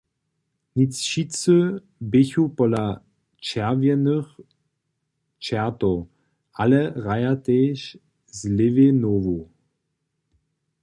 Nic wšitcy běchu pola Čerwjenych čertow, ale hraja tež z lěwej nohu.